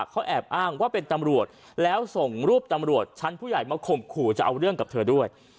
เขาแอบอ้างว่าเป็นตำรวจแล้วส่งรูปตำรวจชั้นผู้ใหญ่มาข่มขู่จะเอาเรื่องกับเธอด้วย